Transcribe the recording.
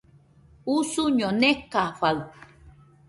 Usuño nekafaɨ